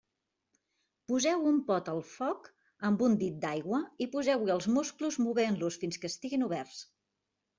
Poseu un pot al foc amb un dit d'aigua i poseu-hi els musclos movent-los fins que siguin oberts.